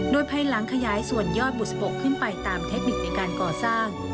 โดยภายหลังขยายส่วนยอดบุษบกขึ้นไปตามเทคนิคในการก่อสร้าง